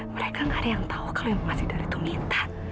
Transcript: mereka nggak ada yang tahu kalau yang masih dari itu mita